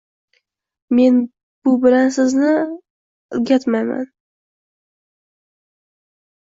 Men bu bilan sizni ’rgatmayman.